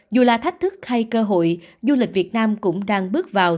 dù là thách thức hay cơ hội du lịch việt nam cũng đang bước vào